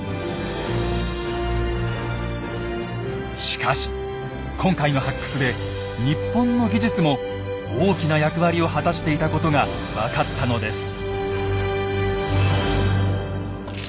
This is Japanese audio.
しかし今回の発掘で日本の技術も大きな役割を果たしていたことが分かったのです。